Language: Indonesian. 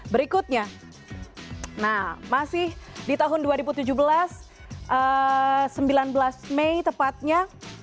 berikutnya nah masih di tahun dua ribu tujuh belas sembilan belas mei tepatnya